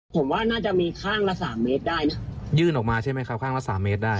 ผมว่าน่าจะมีข้างละสามเมตรได้นะยื่นออกมาใช่ไหมครับข้างละสามเมตรได้